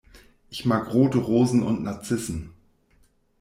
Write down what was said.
Ich mag rote Rosen und Narzissen.